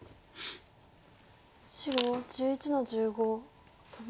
白１１の十五トビ。